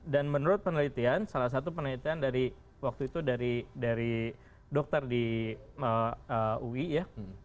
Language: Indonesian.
menurut penelitian salah satu penelitian dari waktu itu dari dokter di ui ya